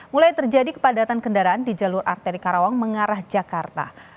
mulai terjadi kepadatan kendaraan di jalur arteri karawang mengarah jakarta